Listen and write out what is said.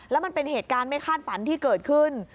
แล้วมันเป็นเหตุการณ์ไม่คาดฝันที่เกิดขึ้น